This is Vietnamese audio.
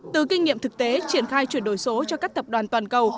từ kinh nghiệm thực tế triển khai chuyển đổi số cho các tập đoàn toàn cầu